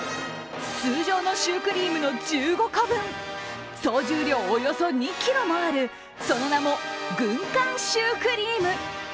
通常のシュークリームの１５個分、総重量およそ２ｋｇもあるその名も軍艦シュークリーム。